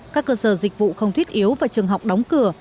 các cơ sở dịch vụ không thiết yếu và trường học đóng cửa